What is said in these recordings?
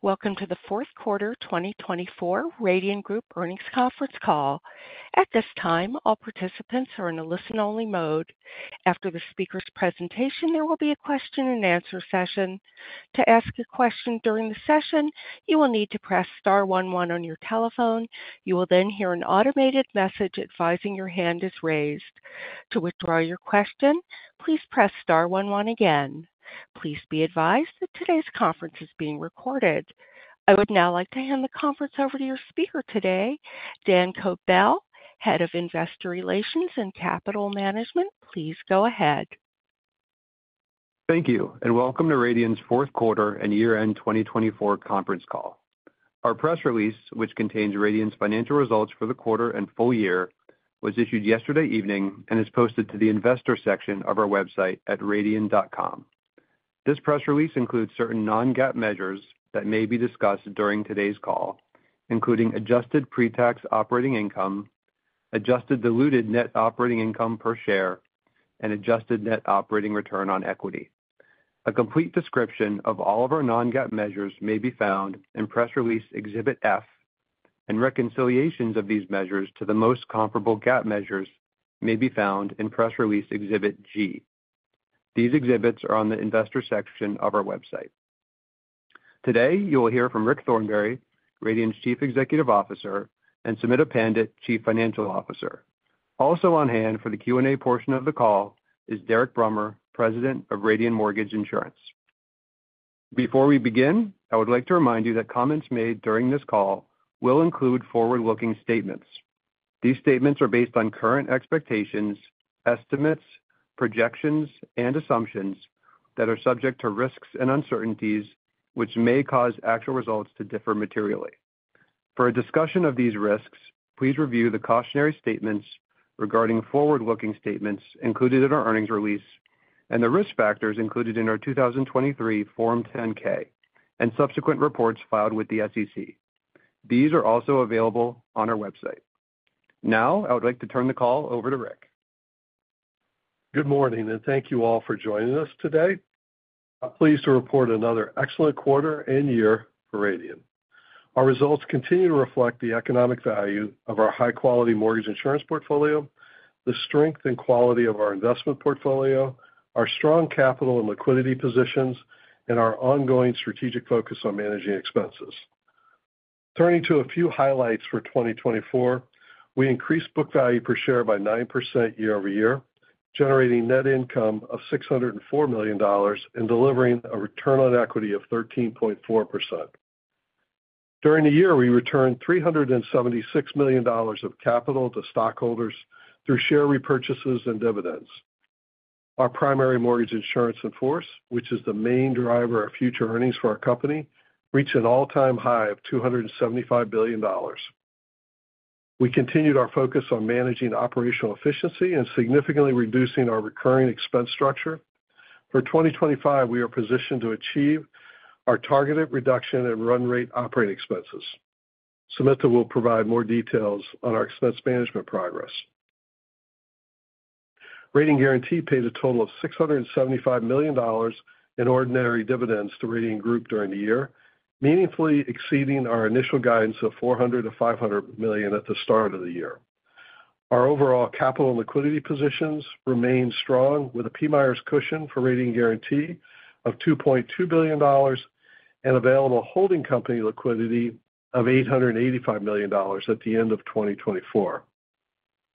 Welcome to the Fourth Quarter 2024 Radian Group Earnings Conference Call. At this time, all participants are in a listen-only mode. After the speaker's presentation, there will be a question-and-answer session. To ask a question during the session, you will need to press star one one on your telephone. You will then hear an automated message advising your hand is raised. To withdraw your question, please press star one one again. Please be advised that today's conference is being recorded. I would now like to hand the conference over to your speaker today, Dan Kobell, Head of Investor Relations and Capital Management. Please go ahead. Thank you, and welcome to Radian's Fourth Quarter and Year-End 2024 Conference Call. Our press release, which contains Radian's financial results for the quarter and full year, was issued yesterday evening and is posted to the investor section of our website at radian.com. This press release includes certain non-GAAP measures that may be discussed during today's call, including adjusted pre-tax operating income, adjusted diluted net operating income per share, and adjusted net operating return on equity. A complete description of all of our non-GAAP measures may be found in press release F, and reconciliations of these measures to the most comparable GAAP measures may be found in press release Exhibit G. These exhibits are on the investor section of our website. Today, you will hear from Rick Thornberry, Radian's Chief Executive Officer, and Sumita Pandit, Chief Financial Officer. Also on hand for the Q&A portion of the call is Derek Brummer, President of Radian Mortgage Insurance. Before we begin, I would like to remind you that comments made during this call will include forward-looking statements. These statements are based on current expectations, estimates, projections, and assumptions that are subject to risks and uncertainties, which may cause actual results to differ materially. For a discussion of these risks, please review the cautionary statements regarding forward-looking statements included in our earnings release and the risk factors included in our 2023 Form 10-K and subsequent reports filed with the SEC. These are also available on our website. Now, I would like to turn the call over to Rick. Good morning, and thank you all for joining us today. I'm pleased to report another excellent quarter and year for Radian. Our results continue to reflect the economic value of our high-quality mortgage insurance portfolio, the strength and quality of our investment portfolio, our strong capital and liquidity positions, and our ongoing strategic focus on managing expenses. Turning to a few highlights for 2024, we increased book value per share by 9% year-over-year, generating net income of $604 million and delivering a return on equity of 13.4%. During the year, we returned $376 million of capital to stockholders through share repurchases and dividends. Our primary mortgage insurance in force, which is the main driver of future earnings for our company, reached an all-time high of $275 billion. We continued our focus on managing operational efficiency and significantly reducing our recurring expense structure. For 2025, we are positioned to achieve our targeted reduction in run-rate operating expenses. Sumita will provide more details on our expense management progress. Radian Guaranty paid a total of $675 million in ordinary dividends to Radian Group during the year, meaningfully exceeding our initial guidance of $400 million-$500 million at the start of the year. Our overall capital and liquidity positions remain strong, with a PMIERs cushion for Radian Guaranty of $2.2 billion and available holding company liquidity of $885 million at the end of 2024.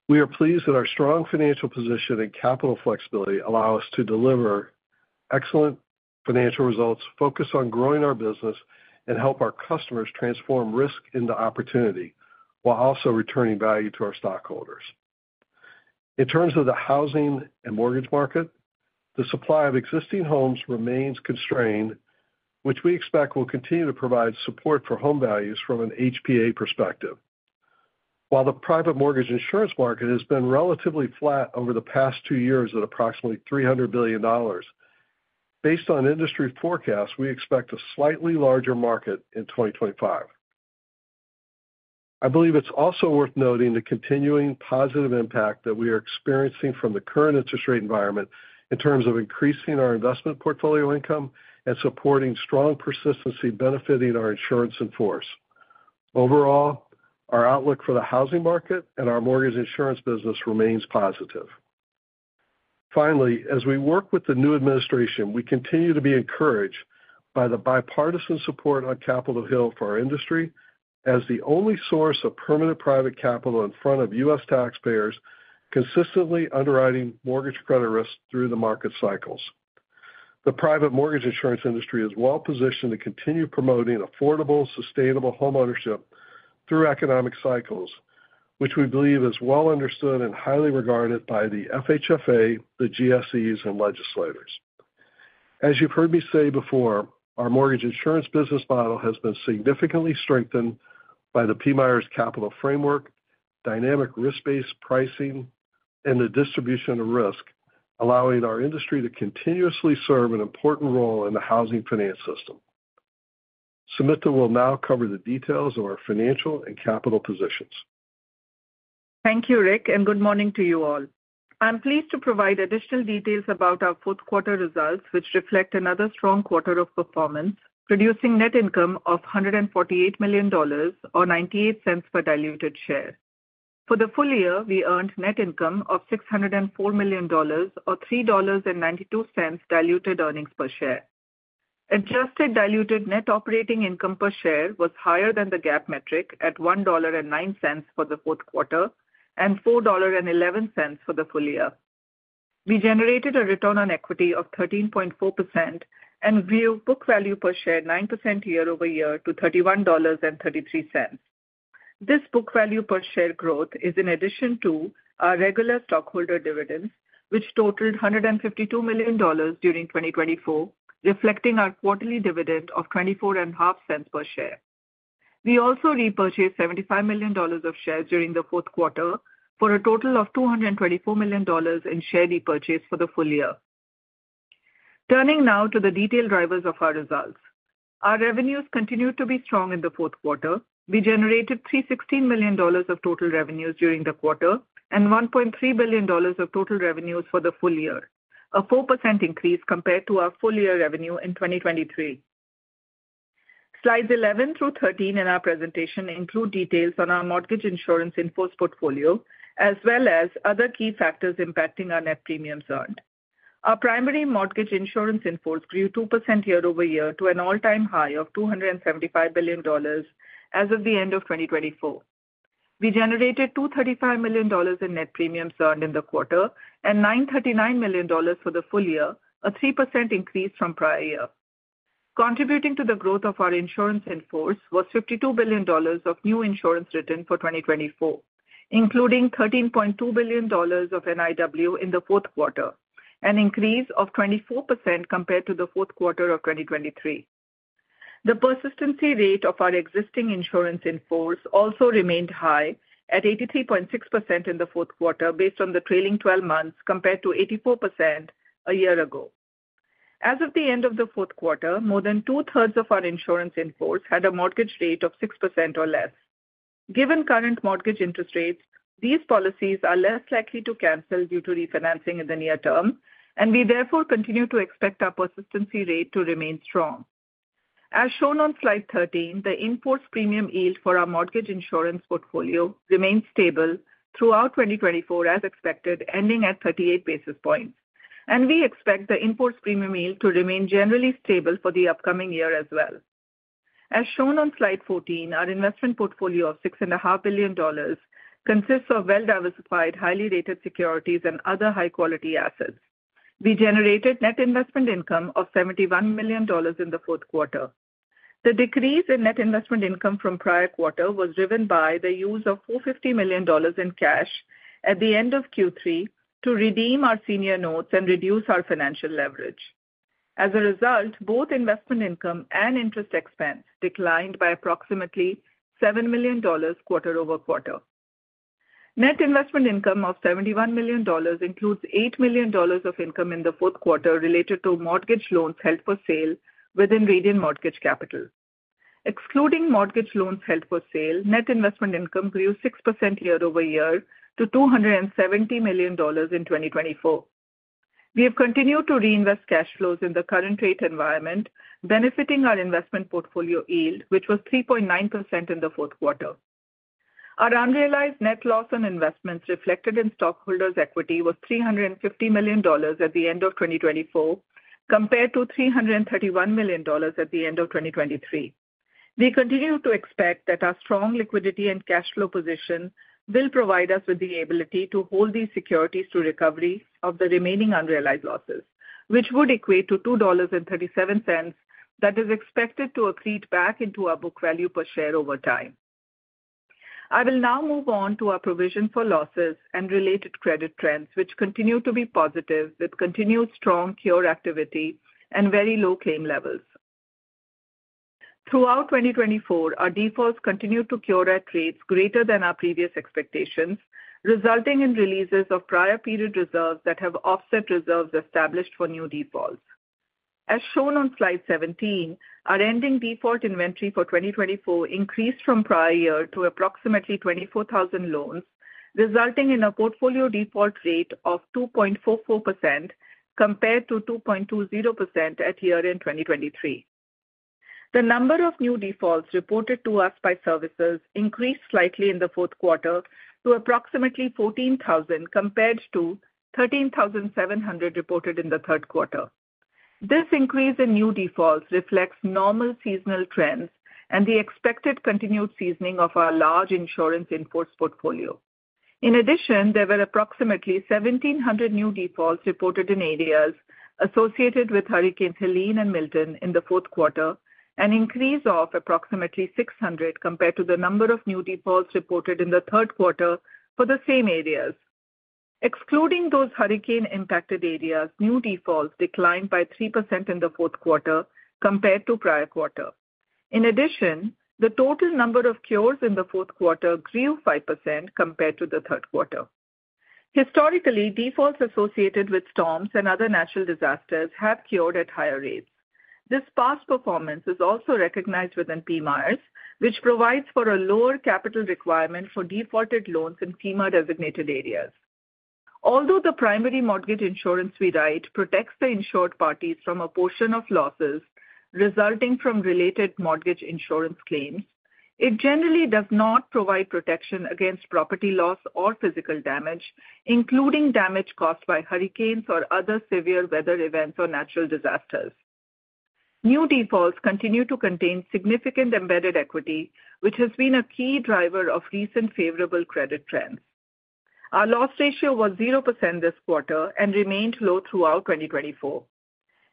We are pleased that our strong financial position and capital flexibility allow us to deliver excellent financial results, focus on growing our business, and help our customers transform risk into opportunity while also returning value to our stockholders. In terms of the housing and mortgage market, the supply of existing homes remains constrained, which we expect will continue to provide support for home values from an HPA perspective. While the private mortgage insurance market has been relatively flat over the past two years at approximately $300 billion, based on industry forecasts, we expect a slightly larger market in 2025. I believe it's also worth noting the continuing positive impact that we are experiencing from the current interest rate environment in terms of increasing our investment portfolio income and supporting strong persistency benefiting our insurance in force. Overall, our outlook for the housing market and our mortgage insurance business remains positive. Finally, as we work with the new administration, we continue to be encouraged by the bipartisan support on Capitol Hill for our industry as the only source of permanent private capital in front of U.S. taxpayers, consistently underwriting mortgage credit risk through the market cycles. The private mortgage insurance industry is well-positioned to continue promoting affordable, sustainable homeownership through economic cycles, which we believe is well-understood and highly regarded by the FHFA, the GSEs, and legislators. As you've heard me say before, our mortgage insurance business model has been significantly strengthened by the PMIERs capital framework, dynamic risk-based pricing, and the distribution of risk, allowing our industry to continuously serve an important role in the housing finance system. Sumita will now cover the details of our financial and capital positions. Thank you, Rick, and good morning to you all. I'm pleased to provide additional details about our fourth quarter results, which reflect another strong quarter of performance, producing net income of $148 million or $0.98 per diluted share. For the full year, we earned net income of $604 million or $3.92 diluted earnings per share. Adjusted diluted net operating income per share was higher than the GAAP metric at $1.09 for the fourth quarter and $4.11 for the full year. We generated a return on equity of 13.4% and grew book value per share 9% year-over-year to $31.33. This book value per share growth is in addition to our regular stockholder dividends, which totaled $152 million during 2024, reflecting our quarterly dividend of $0.245 per share. We also repurchased $75 million of shares during the fourth quarter for a total of $224 million in share repurchase for the full year. Turning now to the detailed drivers of our results, our revenues continued to be strong in the fourth quarter. We generated $316 million of total revenues during the quarter and $1.3 billion of total revenues for the full year, a 4% increase compared to our full-year revenue in 2023. Slides 11 through 13 in our presentation include details on our mortgage insurance in force portfolio, as well as other key factors impacting our net premiums earned. Our primary mortgage insurance in force grew 2% year-over-year to an all-time high of $275 billion as of the end of 2024. We generated $235 million in net premiums earned in the quarter and $939 million for the full year, a 3% increase from prior year. Contributing to the growth of our Insurance in Force was $52 billion of new insurance written for 2024, including $13.2 billion of NIW in the fourth quarter, an increase of 24% compared to the fourth quarter of 2023. The persistency rate of our existing Insurance in Force also remained high at 83.6% in the fourth quarter, based on the trailing 12 months, compared to 84% a year ago. As of the end of the fourth quarter, more than two-thirds of our Insurance in Force had a mortgage rate of 6% or less. Given current mortgage interest rates, these policies are less likely to cancel due to refinancing in the near term, and we therefore continue to expect our persistency rate to remain strong. As shown on slide 13, the in-force premium yield for our mortgage insurance portfolio remained stable throughout 2024, as expected, ending at 38 basis points, and we expect the in-force premium yield to remain generally stable for the upcoming year as well. As shown on slide 14, our investment portfolio of $6.5 billion consists of well-diversified, highly rated securities and other high-quality assets. We generated net investment income of $71 million in the fourth quarter. The decrease in net investment income from prior quarter was driven by the use of $450 million in cash at the end of Q3 to redeem our senior notes and reduce our financial leverage. As a result, both investment income and interest expense declined by approximately $7 million quarter-over-quarter. Net investment income of $71 million includes $8 million of income in the fourth quarter related to mortgage loans held for sale within Radian Mortgage Capital. Excluding mortgage loans held for sale, net investment income grew 6% year-over-year to $270 million in 2024. We have continued to reinvest cash flows in the current rate environment, benefiting our investment portfolio yield, which was 3.9% in the fourth quarter. Our unrealized net loss on investments reflected in stockholders' equity was $350 million at the end of 2024, compared to $331 million at the end of 2023. We continue to expect that our strong liquidity and cash flow position will provide us with the ability to hold these securities through recovery of the remaining unrealized losses, which would equate to $2.37 that is expected to accrete back into our book value per share over time. I will now move on to our provision for losses and related credit trends, which continue to be positive, with continued strong cure activity and very low claim levels. Throughout 2024, our defaults continued to cure at rates greater than our previous expectations, resulting in releases of prior period reserves that have offset reserves established for new defaults. As shown on slide 17, our ending default inventory for 2024 increased from prior year to approximately 24,000 loans, resulting in a portfolio default rate of 2.44% compared to 2.20% at year-end 2023. The number of new defaults reported to us by services increased slightly in the fourth quarter to approximately 14,000 compared to 13,700 reported in the third quarter. This increase in new defaults reflects normal seasonal trends and the expected continued seasoning of our large insurance in force portfolio. In addition, there were approximately 1,700 new defaults reported in areas associated with Hurricanes Helene and Milton in the fourth quarter, an increase of approximately 600 compared to the number of new defaults reported in the third quarter for the same areas. Excluding those hurricane-impacted areas, new defaults declined by 3% in the fourth quarter compared to prior quarter. In addition, the total number of cures in the fourth quarter grew 5% compared to the third quarter. Historically, defaults associated with storms and other natural disasters have cured at higher rates. This past performance is also recognized within PMIERs, which provides for a lower capital requirement for defaulted loans in FEMA-designated areas. Although the primary mortgage insurance we write protects the insured parties from a portion of losses resulting from related mortgage insurance claims, it generally does not provide protection against property loss or physical damage, including damage caused by hurricanes or other severe weather events or natural disasters. New defaults continue to contain significant embedded equity, which has been a key driver of recent favorable credit trends. Our loss ratio was 0% this quarter and remained low throughout 2024.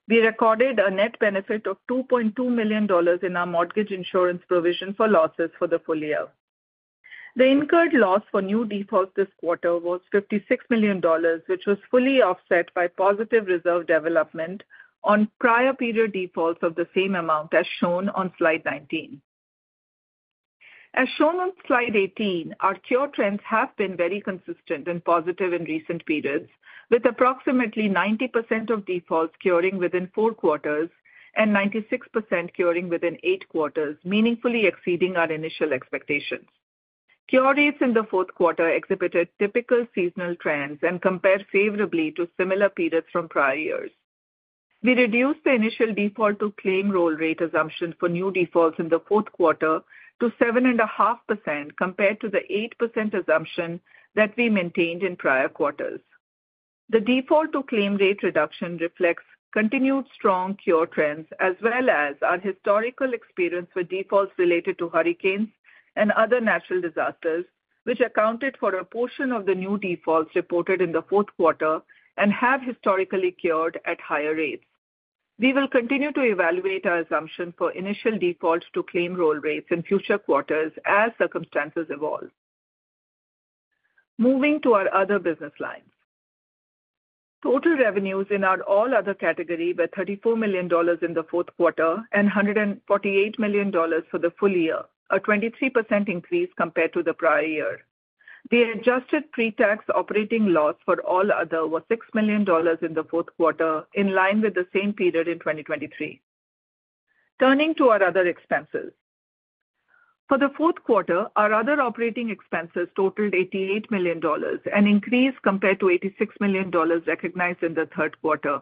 We recorded a net benefit of $2.2 million in our mortgage insurance provision for losses for the full year. The incurred loss for new defaults this quarter was $56 million, which was fully offset by positive reserve development on prior period defaults of the same amount, as shown on slide 19. As shown on slide 18, our cure trends have been very consistent and positive in recent periods, with approximately 90% of defaults curing within four quarters and 96% curing within eight quarters, meaningfully exceeding our initial expectations. Cure rates in the fourth quarter exhibited typical seasonal trends and compared favorably to similar periods from prior years. We reduced the initial default-to-claim roll rate assumption for new defaults in the fourth quarter to 7.5% compared to the 8% assumption that we maintained in prior quarters. The default-to-claim rate reduction reflects continued strong cure trends, as well as our historical experience with defaults related to hurricanes and other natural disasters, which accounted for a portion of the new defaults reported in the fourth quarter and have historically cured at higher rates. We will continue to evaluate our assumption for initial default-to-claim roll rates in future quarters as circumstances evolve. Moving to our other business lines, total revenues in our all-other category were $34 million in the fourth quarter and $148 million for the full year, a 23% increase compared to the prior year. The adjusted pre-tax operating loss for all other was $6 million in the fourth quarter, in line with the same period in 2023. Turning to our other expenses, for the fourth quarter, our other operating expenses totaled $88 million and increased compared to $86 million recognized in the third quarter.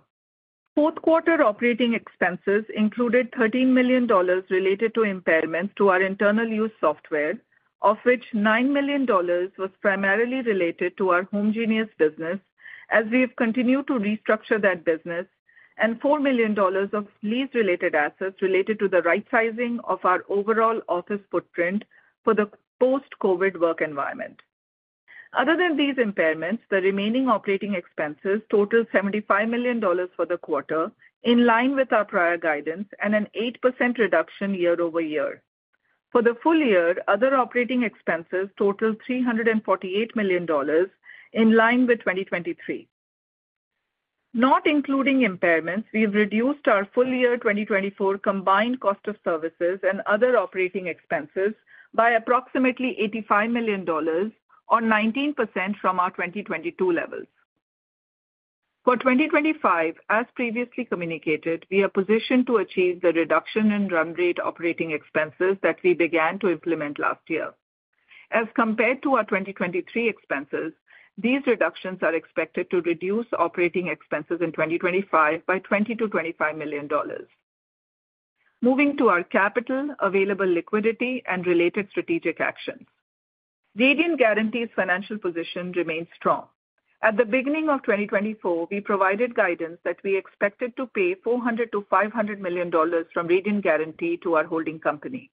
Fourth quarter operating expenses included $13 million related to impairments to our internal use software, of which $9 million was primarily related to our Homegenius business, as we have continued to restructure that business, and $4 million of lease-related assets related to the right-sizing of our overall office footprint for the post-COVID work environment. Other than these impairments, the remaining operating expenses totaled $75 million for the quarter, in line with our prior guidance and an 8% reduction year-over-year. For the full year, other operating expenses totaled $348 million in line with 2023. Not including impairments, we have reduced our full year 2024 combined cost of services and other operating expenses by approximately $85 million, or 19% from our 2022 levels. For 2025, as previously communicated, we are positioned to achieve the reduction in run rate operating expenses that we began to implement last year. As compared to our 2023 expenses, these reductions are expected to reduce operating expenses in 2025 by $20 million to $25 million. Moving to our capital, available liquidity, and related strategic actions, Radian Guaranty's financial position remains strong. At the beginning of 2024, we provided guidance that we expected to pay $400 million-$500 million from Radian Guaranty to our holding company.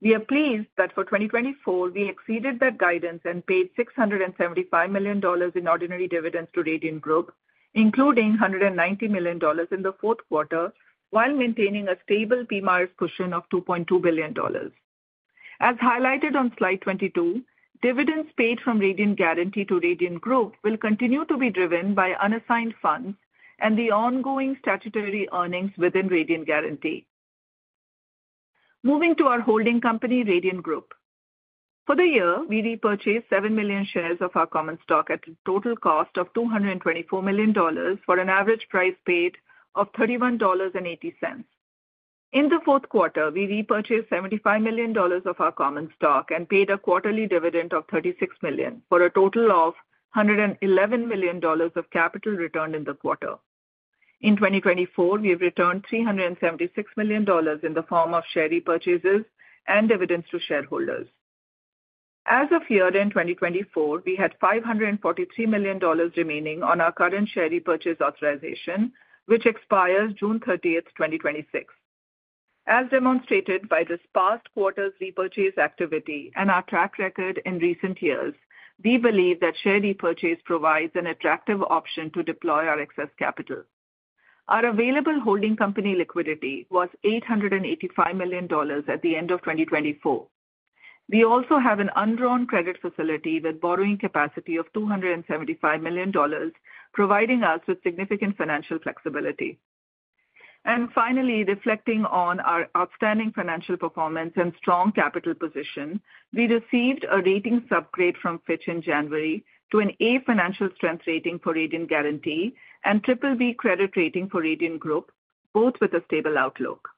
We are pleased that for 2024, we exceeded that guidance and paid $675 million in ordinary dividends to Radian Group, including $190 million in the fourth quarter, while maintaining a stable PMIERs cushion of $2.2 billion. As highlighted on slide 22, dividends paid from Radian Guaranty to Radian Group will continue to be driven by unassigned funds and the ongoing statutory earnings within Radian Guaranty. Moving to our holding company, Radian Group. For the year, we repurchased seven million shares of our common stock at a total cost of $224 million for an average price paid of $31.80. In the fourth quarter, we repurchased $75 million of our common stock and paid a quarterly dividend of $36 million, for a total of $111 million of capital returned in the quarter. In 2024, we have returned $376 million in the form of share repurchases and dividends to shareholders. As of year-end 2024, we had $543 million remaining on our current share repurchase authorization, which expires June 30th, 2026. As demonstrated by this past quarter's repurchase activity and our track record in recent years, we believe that share repurchase provides an attractive option to deploy our excess capital. Our available holding company liquidity was $885 million at the end of 2024. We also have an undrawn credit facility with borrowing capacity of $275 million, providing us with significant financial flexibility. Finally, reflecting on our outstanding financial performance and strong capital position, we received a rating upgrade from Fitch in January to an A financial strength rating for Radian Guaranty and BBB credit rating for Radian Group, both with a stable outlook.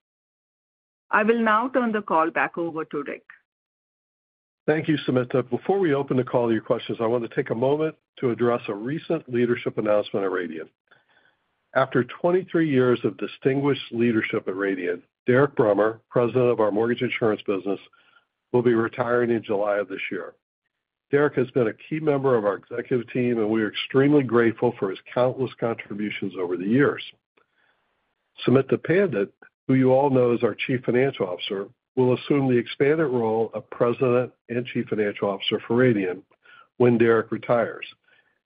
I will now turn the call back over to Rick. Thank you, Sumita. Before we open the call to your questions, I want to take a moment to address a recent leadership announcement at Radian. After 23 years of distinguished leadership at Radian, Derek Brummer, President of our mortgage insurance business, will be retiring in July of this year. Derek has been a key member of our executive team, and we are extremely grateful for his countless contributions over the years. Sumita Pandit, who you all know as our Chief Financial Officer, will assume the expanded role of President and Chief Financial Officer for Radian when Derek retires.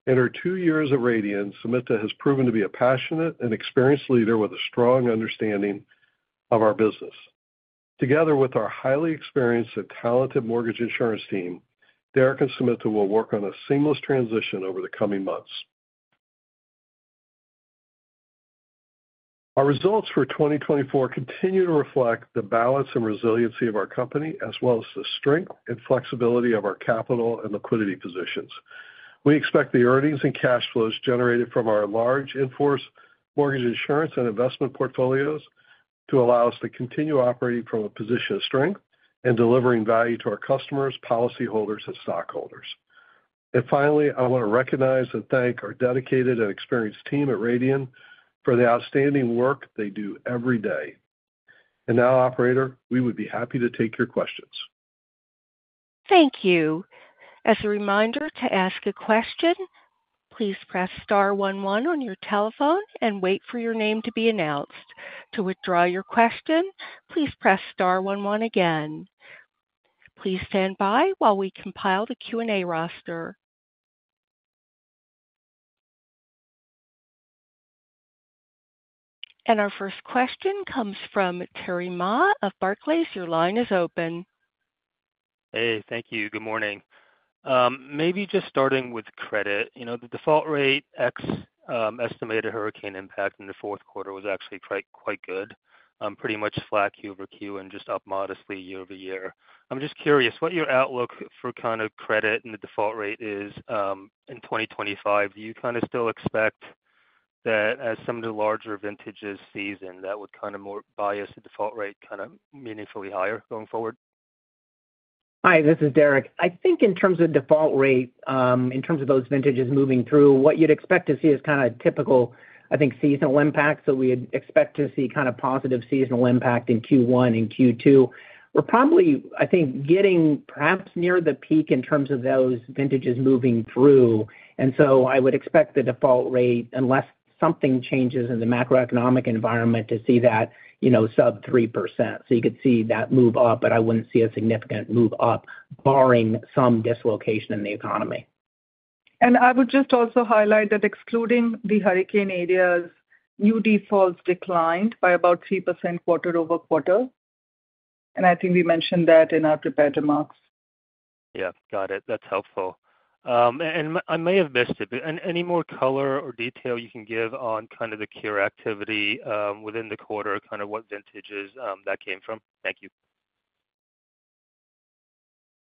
In her two years at Radian, Sumita has proven to be a passionate and experienced leader with a strong understanding of our business. Together with our highly experienced and talented mortgage insurance team, Derek and Sumita will work on a seamless transition over the coming months. Our results for 2024 continue to reflect the balance and resiliency of our company, as well as the strength and flexibility of our capital and liquidity positions. We expect the earnings and cash flows generated from our large in-force mortgage insurance and investment portfolios to allow us to continue operating from a position of strength and delivering value to our customers, policyholders, and stockholders. And finally, I want to recognize and thank our dedicated and experienced team at Radian for the outstanding work they do every day. And now, Operator, we would be happy to take your questions. Thank you. As a reminder to ask a question, please press star one one on your telephone and wait for your name to be announced. To withdraw your question, please press star one one again. Please stand by while we compile the Q&A roster. And our first question comes from Terry Ma of Barclays. Your line is open. Hey, thank you. Good morning. Maybe just starting with credit. The default rate estimated hurricane impact in the fourth quarter was actually quite good, pretty much flat Q over Q and just up modestly year-over-year. I'm just curious what your outlook for kind of credit and the default rate is in 2025. Do you kind of still expect that as some of the larger vintages season, that would kind of bias the default rate kind of meaningfully higher going forward? Hi, this is Derek. I think in terms of default rate, in terms of those vintages moving through, what you'd expect to see is kind of typical, I think, seasonal impact. So we'd expect to see kind of positive seasonal impact in Q1 and Q2. We're probably, I think, getting perhaps near the peak in terms of those vintages moving through. And so I would expect the default rate, unless something changes in the macroeconomic environment, to see that sub 3%. So you could see that move up, but I wouldn't see a significant move up, barring some dislocation in the economy. And I would just also highlight that excluding the hurricane areas, new defaults declined by about 3% quarter-over-quarter. And I think we mentioned that in our prepared remarks. Yeah, got it. That's helpful. And I may have missed it, but any more color or detail you can give on kind of the cure activity within the quarter, kind of what vintages that came from? Thank you.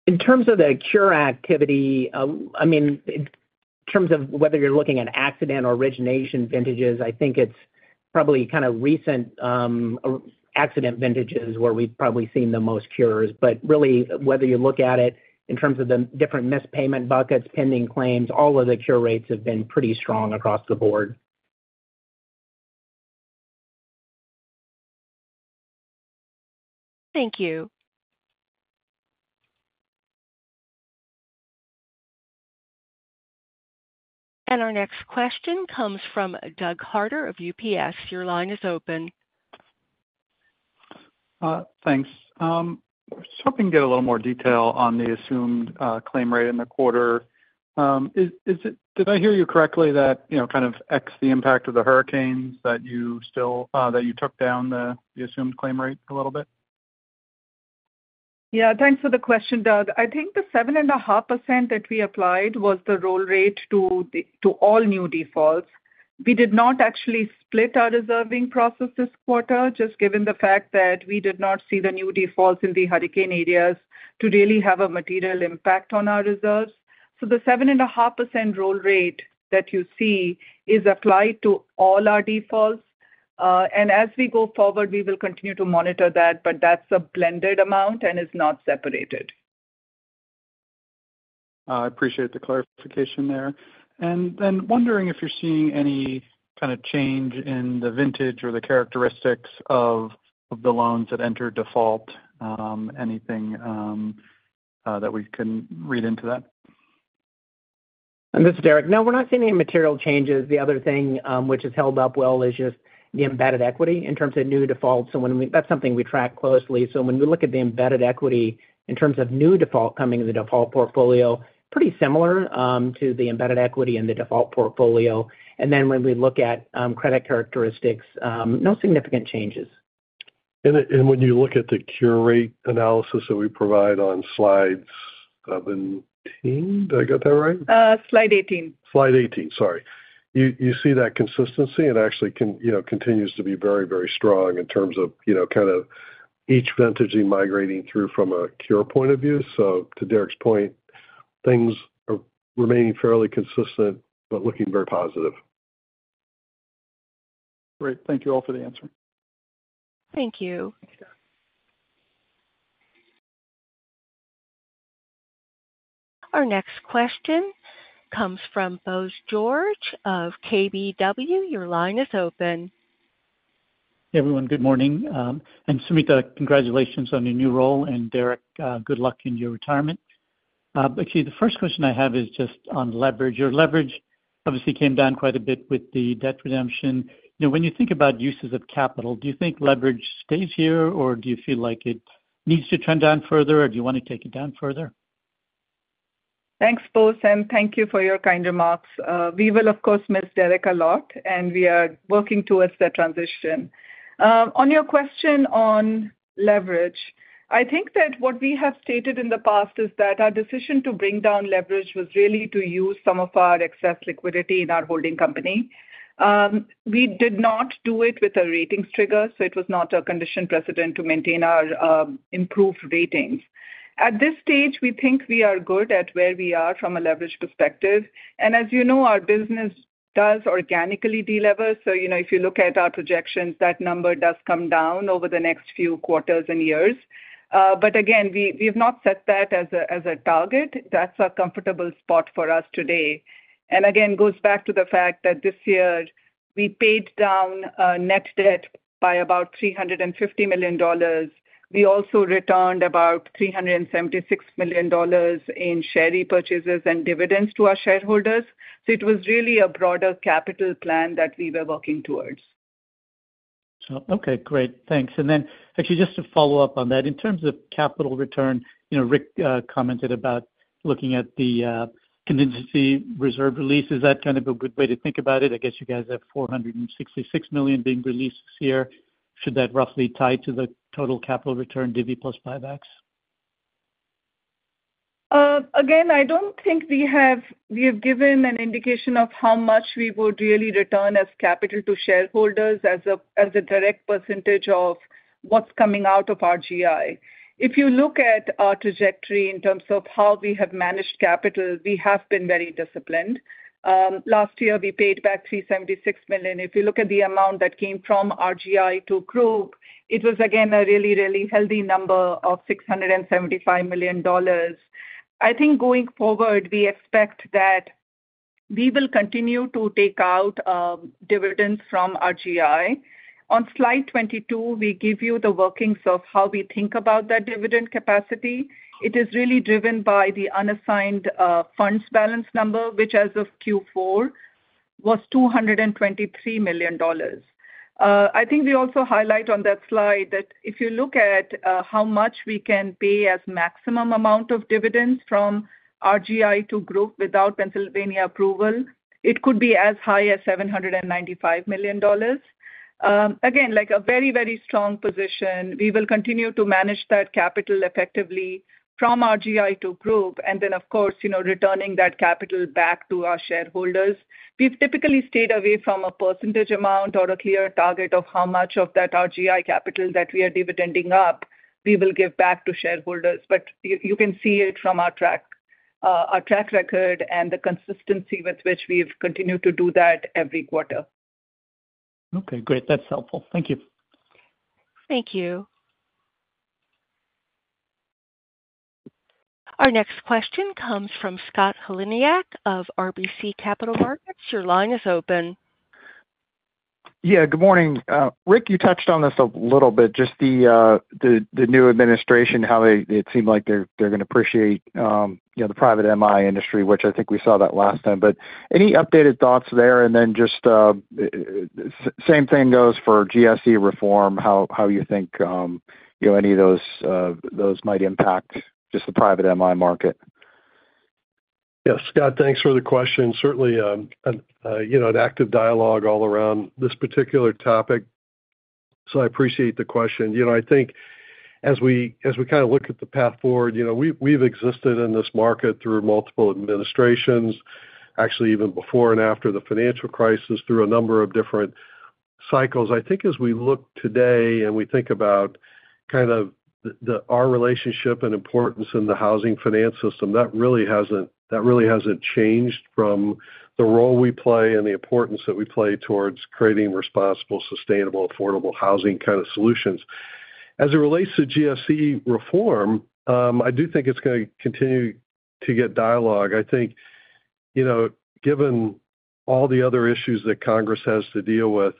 In terms of the cure activity, I mean, in terms of whether you're looking at acquisition or origination vintages, I think it's probably kind of recent acquisition vintages where we've probably seen the most cures. But really, whether you look at it in terms of the different missed payment buckets, pending claims, all of the cure rates have been pretty strong across the board. Thank you. And our next question comes from Doug Harter of UBS. Your line is open. Thanks. Just hoping to get a little more detail on the assumed claim rate in the quarter. Did I hear you correctly that, excluding the impact of the hurricanes, you took down the assumed claim rate a little bit? Yeah, thanks for the question, Doug. I think the 7.5% that we applied was the roll rate to all new defaults. We did not actually split our reserving process this quarter, just given the fact that we did not see the new defaults in the hurricane areas to really have a material impact on our reserves. So the 7.5% roll rate that you see is applied to all our defaults. And as we go forward, we will continue to monitor that, but that's a blended amount and is not separated. I appreciate the clarification there. And then wondering if you're seeing any kind of change in the vintage or the characteristics of the loans that entered default, anything that we can read into that? This is Derek. No, we're not seeing any material changes. The other thing which has held up well is just the embedded equity in terms of new defaults. So that's something we track closely. So when we look at the embedded equity in terms of new default coming in the default portfolio, pretty similar to the embedded equity in the default portfolio. And then when we look at credit characteristics, no significant changes. And when you look at the cure rate analysis that we provide on slides 17, did I get that right? Slide 18. Slide 18, sorry. You see that consistency and actually continues to be very, very strong in terms of kind of each vintage migrating through from a cure point of view. So to Derek's point, things are remaining fairly consistent but looking very positive. Great. Thank you all for the answer. Thank you. Our next question comes from Bose George of KBW. Your line is open. Hey, everyone. Good morning. And Sumita, congratulations on your new role. And Derek, good luck in your retirement. Actually, the first question I have is just on leverage. Your leverage obviously came down quite a bit with the debt redemption. When you think about uses of capital, do you think leverage stays here, or do you feel like it needs to trend down further, or do you want to take it down further? Thanks, Bose, and thank you for your kind remarks. We will, of course, miss Derek a lot, and we are working towards that transition. On your question on leverage, I think that what we have stated in the past is that our decision to bring down leverage was really to use some of our excess liquidity in our holding company. We did not do it with a ratings trigger, so it was not a condition precedent to maintain our improved ratings. At this stage, we think we are good at where we are from a leverage perspective. And as you know, our business does organically delever. So if you look at our projections, that number does come down over the next few quarters and years. But again, we have not set that as a target. That's a comfortable spot for us today. And again, it goes back to the fact that this year we paid down net debt by about $350 million. We also returned about $376 million in share repurchases and dividends to our shareholders. So it was really a broader capital plan that we were working towards. Okay, great. Thanks. And then actually, just to follow up on that, in terms of capital return, Rick commented about looking at the contingency reserve release. Is that kind of a good way to think about it? I guess you guys have $466 million being released this year. Should that roughly tie to the total capital return, divi plus buybacks? Again, I don't think we have given an indication of how much we would really return as capital to shareholders as a direct percentage of what's coming out of RGI. If you look at our trajectory in terms of how we have managed capital, we have been very disciplined. Last year, we paid back $376 million. If you look at the amount that came from RGI to group, it was, again, a really, really healthy number of $675 million. I think going forward, we expect that we will continue to take out dividends from RGI. On slide 22, we give you the workings of how we think about that dividend capacity. It is really driven by the unassigned funds balance number, which as of Q4 was $223 million. I think we also highlight on that slide that if you look at how much we can pay as maximum amount of dividends from RGI to group without Pennsylvania approval, it could be as high as $795 million. Again, a very, very strong position. We will continue to manage that capital effectively from RGI to group, and then, of course, returning that capital back to our shareholders. We've typically stayed away from a percentage amount or a clear target of how much of that RGI capital that we are dividending up we will give back to shareholders. But you can see it from our track record and the consistency with which we've continued to do that every quarter. Okay, great. That's helpful. Thank you. Thank you. Our next question comes from Scott Heleniak of RBC Capital Markets. Your line is open. Yeah, good morning. Rick, you touched on this a little bit, just the new administration, how it seemed like they're going to appreciate the private MI industry, which I think we saw that last time. But any updated thoughts there? And then just same thing goes for GSE reform, how you think any of those might impact just the private MI market? Yes, Scott, thanks for the question. Certainly an active dialogue all around this particular topic. So I appreciate the question. I think as we kind of look at the path forward, we've existed in this market through multiple administrations, actually even before and after the financial crisis, through a number of different cycles. I think as we look today and we think about kind of our relationship and importance in the housing finance system, that really hasn't changed from the role we play and the importance that we play towards creating responsible, sustainable, affordable housing kind of solutions. As it relates to GSE reform, I do think it's going to continue to get dialogue. I think given all the other issues that Congress has to deal with,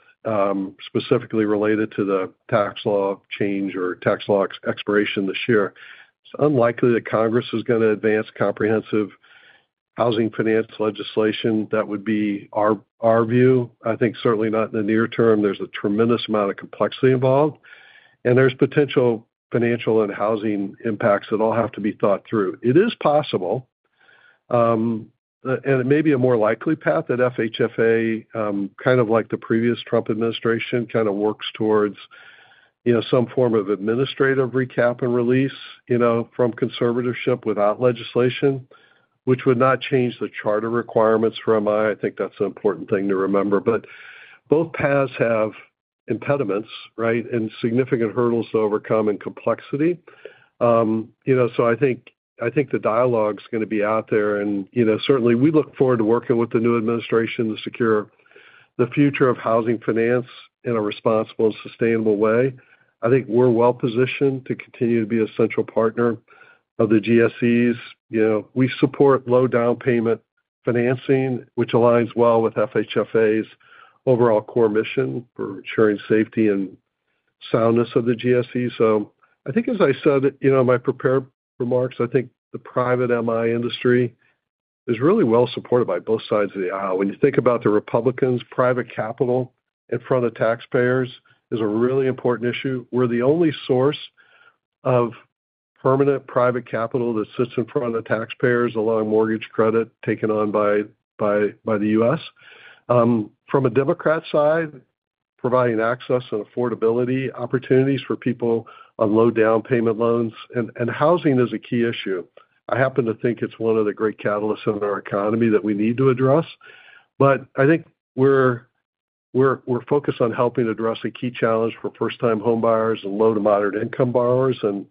specifically related to the tax law change or tax law expiration this year, it's unlikely that Congress is going to advance comprehensive housing finance legislation. That would be our view. I think certainly not in the near term. There's a tremendous amount of complexity involved, and there's potential financial and housing impacts that all have to be thought through. It is possible, and it may be a more likely path that FHFA, kind of like the previous Trump administration, kind of works towards some form of administrative recap and release from conservatorship without legislation, which would not change the charter requirements for MI. I think that's an important thing to remember. But both paths have impediments, right, and significant hurdles to overcome and complexity. So I think the dialogue is going to be out there. And certainly, we look forward to working with the new administration to secure the future of housing finance in a responsible and sustainable way. I think we're well positioned to continue to be a central partner of the GSEs. We support low-down payment financing, which aligns well with FHFA's overall core mission for ensuring safety and soundness of the GSEs. So I think, as I said in my prepared remarks, I think the private MI industry is really well supported by both sides of the aisle. When you think about the Republicans, private capital in front of taxpayers is a really important issue. We're the only source of permanent private capital that sits in front of the taxpayers, loan-level mortgage credit risk taken on by the U.S. from a Democrat side, providing access and affordability opportunities for people on low-down payment loans and housing is a key issue. I happen to think it's one of the great catalysts in our economy that we need to address. But I think we're focused on helping address a key challenge for first-time home buyers and low to moderate-income borrowers and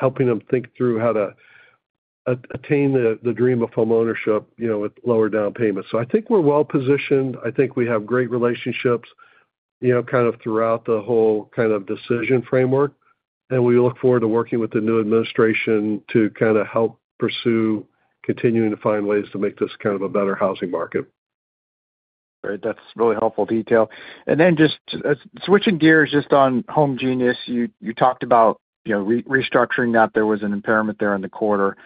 helping them think through how to attain the dream of homeownership with lower down payments. So I think we're well positioned. I think we have great relationships kind of throughout the whole kind of decision framework. And we look forward to working with the new administration to kind of help pursue continuing to find ways to make this kind of a better housing market. All right. That's really helpful detail. And then just switching gears just on Homegenius, you talked about restructuring that there was an impairment there in the quarter.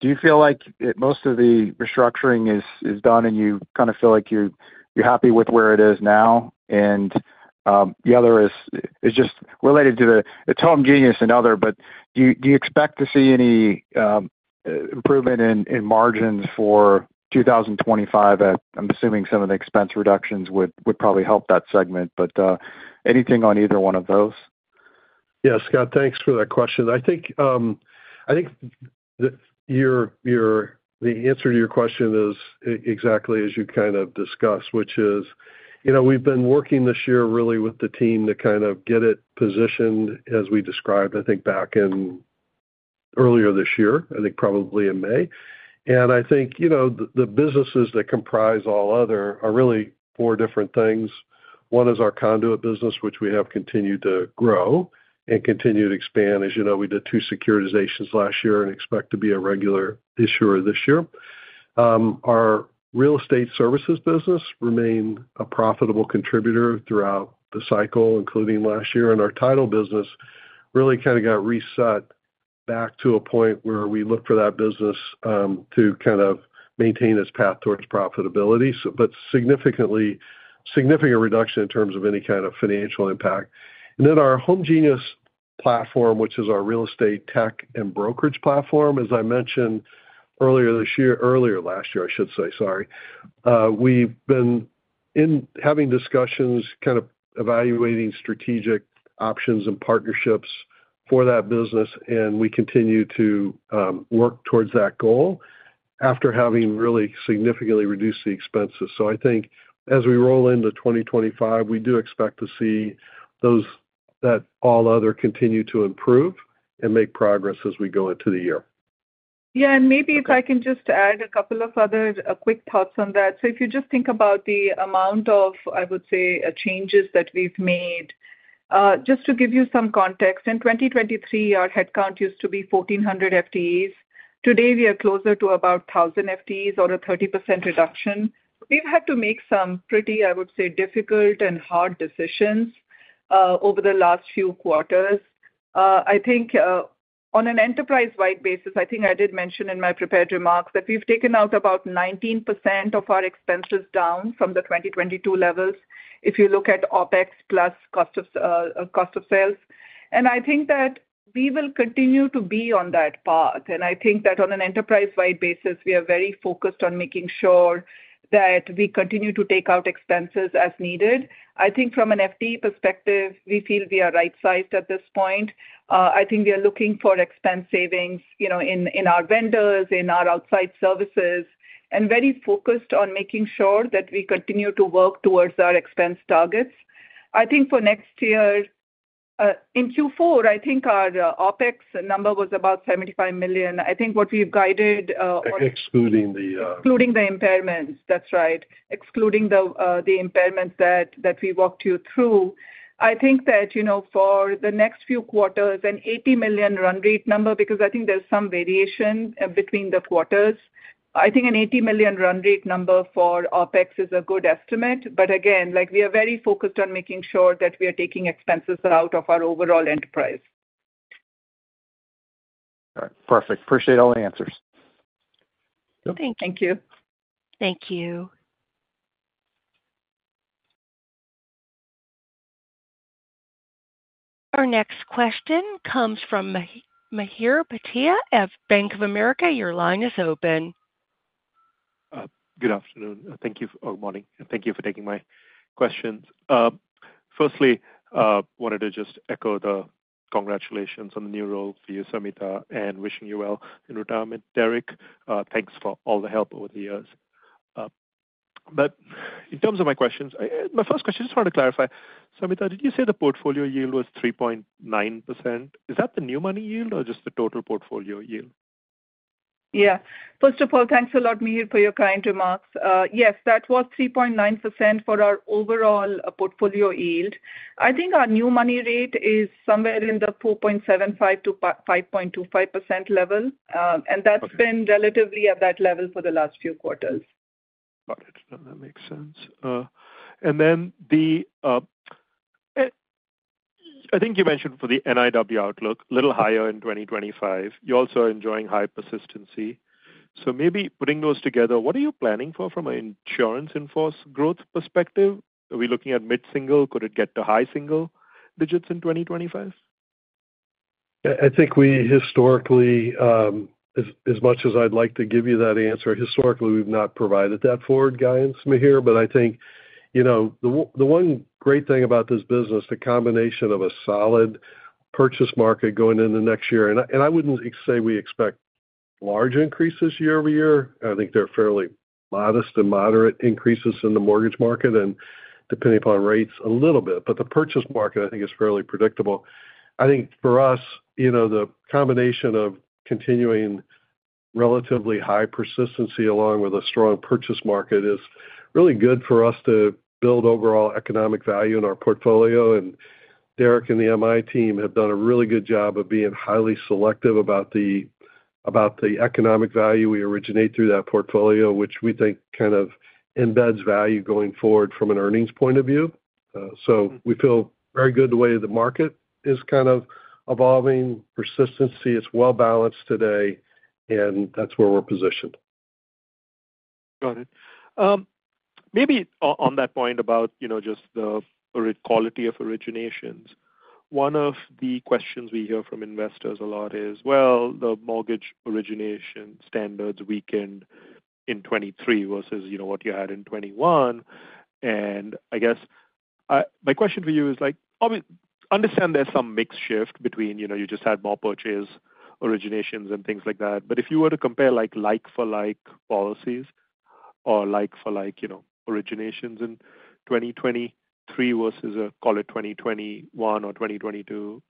Do you feel like most of the restructuring is done, and you kind of feel like you're happy with where it is now? And the other is just related to the, it's Homegenius and other, but do you expect to see any improvement in margins for 2025? I'm assuming some of the expense reductions would probably help that segment, but anything on either one of those? Yes, Scott, thanks for that question. I think the answer to your question is exactly as you kind of discussed, which is we've been working this year really with the team to kind of get it positioned as we described, I think, back in earlier this year, I think probably in May. And I think the businesses that comprise all other are really four different things. One is our conduit business, which we have continued to grow and continue to expand. As you know, we did two securitizations last year and expect to be a regular issuer this year. Our real estate services business remained a profitable contributor throughout the cycle, including last year. Our title business really kind of got reset back to a point where we looked for that business to kind of maintain its path towards profitability, but significant reduction in terms of any kind of financial impact. Then our Homegenius platform, which is our real estate tech and brokerage platform, as I mentioned earlier this year, earlier last year, I should say, sorry. We've been having discussions kind of evaluating strategic options and partnerships for that business, and we continue to work towards that goal after having really significantly reduced the expenses. I think as we roll into 2025, we do expect to see that all other continue to improve and make progress as we go into the year. Yeah. Maybe if I can just add a couple of other quick thoughts on that. If you just think about the amount of, I would say, changes that we've made, just to give you some context, in 2023, our headcount used to be 1,400 FTEs. Today, we are closer to about 1,000 FTEs or a 30% reduction. We've had to make some pretty, I would say, difficult and hard decisions over the last few quarters. I think on an enterprise-wide basis, I think I did mention in my prepared remarks that we've taken out about 19% of our expenses down from the 2022 levels if you look at OPEX plus cost of sales. I think that we will continue to be on that path. I think that on an enterprise-wide basis, we are very focused on making sure that we continue to take out expenses as needed. I think from an FTE perspective, we feel we are right-sized at this point. I think we are looking for expense savings in our vendors, in our outside services, and very focused on making sure that we continue to work towards our expense targets. I think for next year, in Q4, I think our OPEX number was about $75 million. I think what we've guided excluding the impairments. That's right. Excluding the impairments that we walked you through. I think that for the next few quarters, an $80 million run rate number, because I think there's some variation between the quarters, I think an $80 million run rate number for OPEX is a good estimate. But again, we are very focused on making sure that we are taking expenses out of our overall enterprise. All right. Perfect. Appreciate all the answers. Thank you. Thank you. Thank you. Our next question comes from Mihir Bhatia of Bank of America. Your line is open. Good afternoon. Thank you for morning. Thank you for taking my questions. Firstly, I wanted to just echo the congratulations on the new role for you, Sumita, and wishing you well in retirement, Derek. Thanks for all the help over the years. But in terms of my questions, my first question, I just wanted to clarify. Sumita, did you say the portfolio yield was 3.9%? Is that the new money yield or just the total portfolio yield? Yeah. First of all, thanks a lot, Mihir, for your kind remarks. Yes, that was 3.9% for our overall portfolio yield. I think our new money rate is somewhere in the 4.75%-5.25% level, and that's been relatively at that level for the last few quarters. Got it. That makes sense. And then I think you mentioned for the NIW outlook, a little higher in 2025. You also are enjoying high persistency. So maybe putting those together, what are you planning for from an insurance in force growth perspective? Are we looking at mid-single? Could it get to high single digits in 2025? I think we historically, as much as I'd like to give you that answer, historically, we've not provided that forward guidance, Mihir. But I think the one great thing about this business, the combination of a solid purchase market going into next year, and I wouldn't say we expect large increases year-over-year. I think they're fairly modest and moderate increases in the mortgage market and depending upon rates a little bit. But the purchase market, I think, is fairly predictable. I think for us, the combination of continuing relatively high persistency along with a strong purchase market is really good for us to build overall economic value in our portfolio. And Derek and the MI team have done a really good job of being highly selective about the economic value we originate through that portfolio, which we think kind of embeds value going forward from an earnings point of view. So we feel very good the way the market is kind of evolving. Persistency, it's well balanced today, and that's where we're positioned. Got it. Maybe on that point about just the quality of originations, one of the questions we hear from investors a lot is, well, the mortgage origination standards weakened in 2023 versus what you had in 2021. I guess my question for you is, I mean, understand there's some mixed shift between you just had more purchase originations and things like that. But if you were to compare like-for-like policies or like-for-like originations in 2023 versus, call it, 2021 or 2022,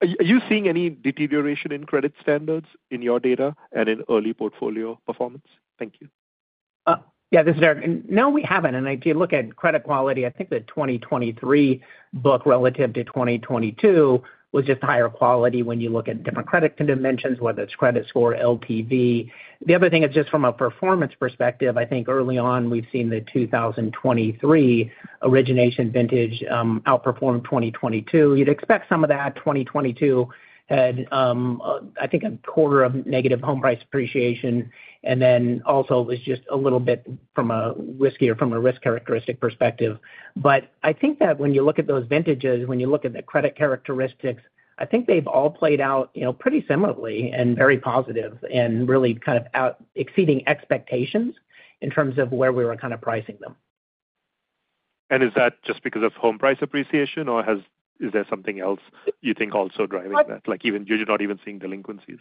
are you seeing any deterioration in credit standards in your data and in early portfolio performance? Thank you. Yeah, this is Derek. No, we haven't. And if you look at credit quality, I think the 2023 book relative to 2022 was just higher quality when you look at different credit dimensions, whether it's credit score, LTV. The other thing is just from a performance perspective, I think early on, we've seen the 2023 origination vintage outperform 2022. You'd expect some of that 2022 had, I think, a quarter of negative home price appreciation. And then also it was just a little bit from a risk characteristic perspective. But I think that when you look at those vintages, when you look at the credit characteristics, I think they've all played out pretty similarly and very positive and really kind of exceeding expectations in terms of where we were kind of pricing them. And is that just because of home price appreciation, or is there something else you think also driving that, like you're not even seeing delinquencies?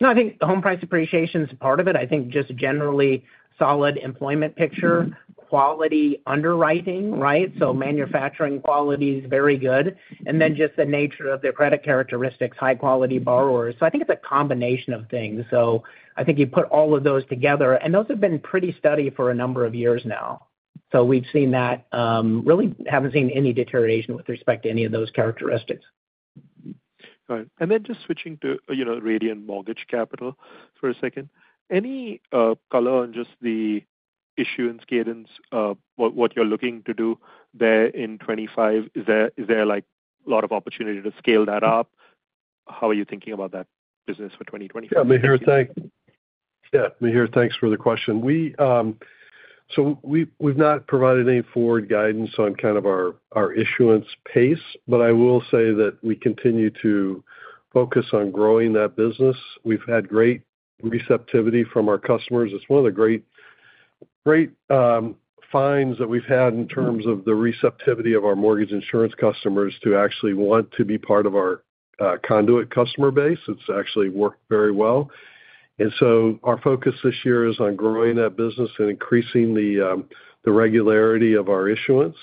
No, I think home price appreciation is part of it. I think just generally solid employment picture, quality underwriting, right? So underwriting quality is very good. And then just the nature of their credit characteristics, high-quality borrowers. So I think it's a combination of things. So I think you put all of those together, and those have been pretty steady for a number of years now. So we've seen that. Really haven't seen any deterioration with respect to any of those characteristics. Got it. And then just switching to Radian Mortgage Capital for a second, any color on just the issuance and cadence, what you're looking to do there in 2025? Is there a lot of opportunity to scale that up? How are you thinking about that business for 2025? Yeah, Mihir, thanks for the question. So we've not provided any forward guidance on kind of our issuance pace, but I will say that we continue to focus on growing that business. We've had great receptivity from our customers. It's one of the great finds that we've had in terms of the receptivity of our mortgage insurance customers to actually want to be part of our conduit customer base. It's actually worked very well. And so our focus this year is on growing that business and increasing the regularity of our issuance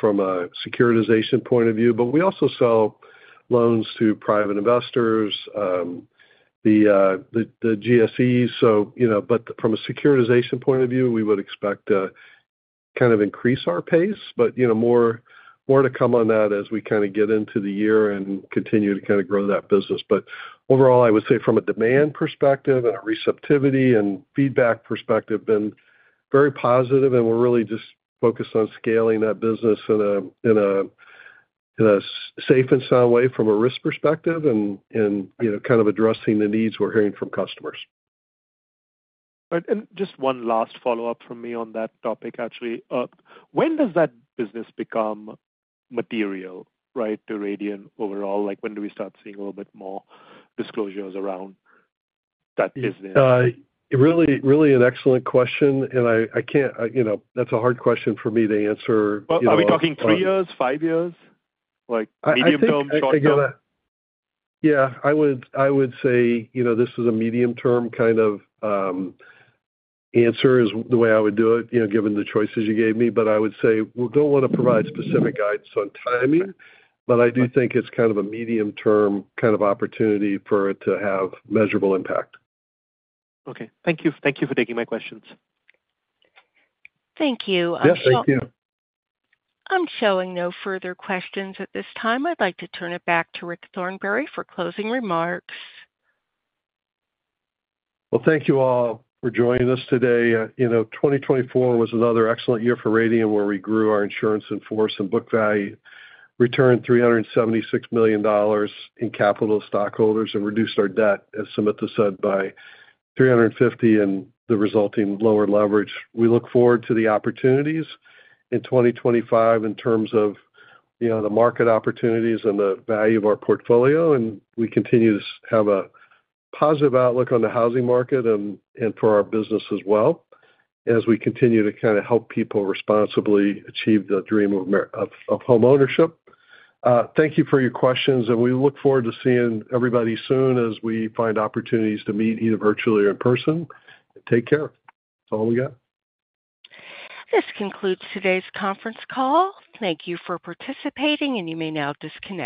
from a securitization point of view. But we also sell loans to private investors, the GSEs. But from a securitization point of view, we would expect to kind of increase our pace, but more to come on that as we kind of get into the year and continue to kind of grow that business. But overall, I would say from a demand perspective and a receptivity and feedback perspective, been very positive, and we're really just focused on scaling that business in a safe and sound way from a risk perspective and kind of addressing the needs we're hearing from customers. All right. And just one last follow-up from me on that topic, actually. When does that business become material, right, to Radian overall? When do we start seeing a little bit more disclosures around that business? Really, an excellent question, and I can't. That's a hard question for me to answer. Are we talking three years, five years, medium term, short term? Yeah. I would say this is a medium-term kind of answer is the way I would do it, given the choices you gave me. But I would say we don't want to provide specific guidance on timing, but I do think it's kind of a medium-term kind of opportunity for it to have measurable impact. Okay. Thank you for taking my questions. Thank you. Yes, thank you. I'm showing no further questions at this time. I'd like to turn it back to Rick Thornberry for closing remarks. Well, thank you all for joining us today. 2024 was another excellent year for Radian where we grew our Insurance in Force and book value, returned $376 million in capital to stockholders, and reduced our debt, as Sumita said, by $350 million and the resulting lower leverage. We look forward to the opportunities in 2025 in terms of the market opportunities and the value of our portfolio, and we continue to have a positive outlook on the housing market and for our business as well, as we continue to kind of help people responsibly achieve the dream of homeownership. Thank you for your questions, and we look forward to seeing everybody soon as we find opportunities to meet either virtually or in person. Take care. That's all we got. This concludes today's conference call. Thank you for participating, and you may now disconnect.